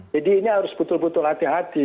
jadi ini harus betul betul hati hati